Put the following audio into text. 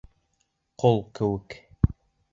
Ҡол кеүек!